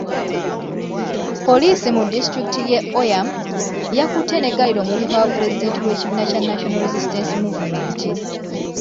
Poliisi mu disitulikiti y'e Oyam, yakutte n'eggalira omumyuka wa Pulezidenti w'ekibiina kya National Resistance Movement.